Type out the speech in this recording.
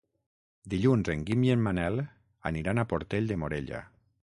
Dilluns en Guim i en Manel aniran a Portell de Morella.